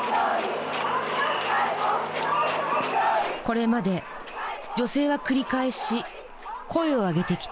これまで女性は繰り返し声を上げてきた。